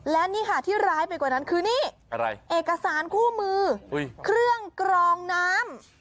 และนี่ค่ะที่ร้ายไปกว่านั้นคือนี่อะไรเอกสารคู่มือเครื่องกรองน้ำ